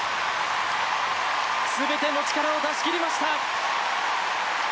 全ての力を出し切りました。